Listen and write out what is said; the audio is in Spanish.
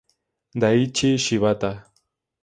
Daichi Shibata